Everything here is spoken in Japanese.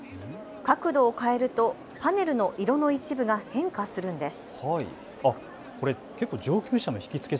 角度を変えるとパネルの色の一部が変化するんです。